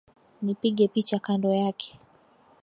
Nipige picha kando yake.